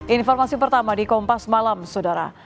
informasi pertama di kompas malam saudara